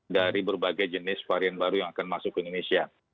dari berbagai jenis varian baru yang akan masuk ke indonesia